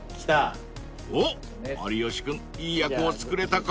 ［おっ有吉君いい役を作れたか？］